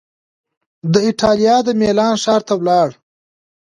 د ایټالیا د میلان ښار ته ولاړ